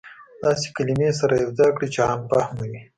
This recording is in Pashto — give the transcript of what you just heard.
داسې کلمې سره يو ځاى کړى چې عام فهمه وي.